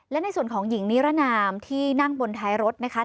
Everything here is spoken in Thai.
และในส่วนของหญิงนิรนามที่นั่งบนท้ายรถนะคะ